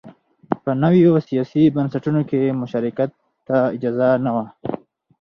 په نویو سیاسي بنسټونو کې مشارکت ته اجازه نه وه